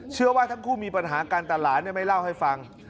เชื่อว่าทั้งคู่มีปัญหากันแต่หลานไม่เล่าให้ฟัง